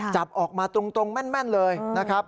จับออกมาตรงแม่นเลยนะครับ